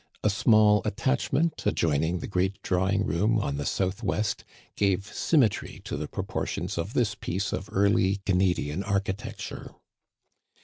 A small attach ment, adjoining the great drawing room on the south west, gave symmetry to the proportions of this piece of early Canadian architecture.